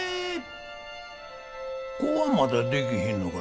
子はまだできひんのか？